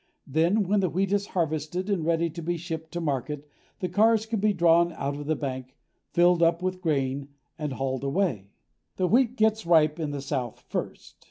Then, when the wheat is harvested and ready to be shipped to market, the cars can be drawn out of the bank, filled up with grain, and hauled away. The wheat gets ripe in the south first.